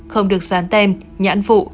không được sán tem nhãn phụ